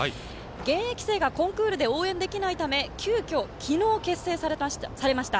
現役生がコンクールで応援できないため急きょ、昨日、結成されました。